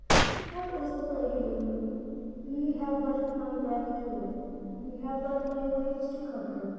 What is the Flag of England? Ye have but my breath to dare, Ye have but my waves to conquer.